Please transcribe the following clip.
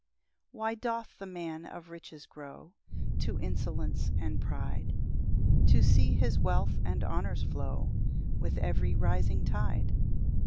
1 Why doth the man of riches grow To insolence and pride, To see his wealth and honours flow With every rising tide?